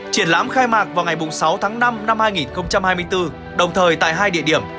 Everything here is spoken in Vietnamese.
triển lãm khai mạc vào ngày sáu tháng năm năm hai nghìn hai mươi bốn đồng thời tại hai địa điểm